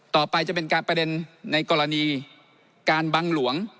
ต่อไปจะเป็นการประเด็นในกรณีการบังหลวง